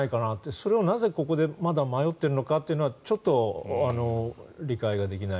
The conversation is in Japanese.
それをなぜここで迷っているのかというのはちょっと理解ができない。